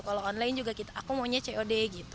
kalau online juga aku maunya cod gitu